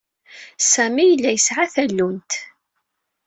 Sami yella yesɛa tallunt.